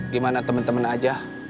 gimana temen temen aja